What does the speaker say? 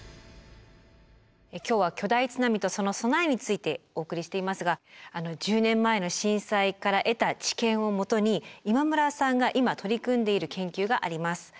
今日は巨大津波とその備えについてお送りしていますが１０年前の震災から得た知見を基に今村さんが今取り組んでいる研究があります。